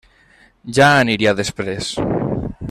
Ja aniria després!